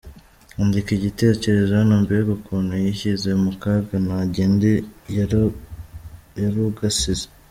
Andika Igitekerezo Hano Mbega ukuntu yishyize mukaga nagende yarugasize.